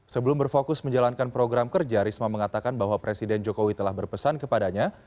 sebelum berfokus menjalankan program kerja risma mengatakan bahwa presiden jokowi telah berpesan kepadanya